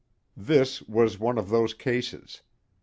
This was one of those cases.